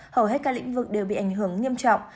hầu hết các lĩnh vực đều bị ảnh hưởng nghiêm trọng